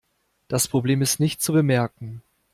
Das Problem ist nicht zu bemerken.